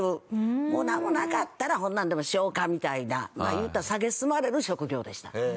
もうなんもなかったらそんなんでもしようかみたいなまあ言うたらさげすまれる職業でした。